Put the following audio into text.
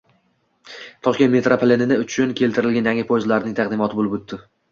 Toshkent metropoliteni uchun keltirilgan yangi poyezdlarning taqdimoti bo‘lib o‘tdi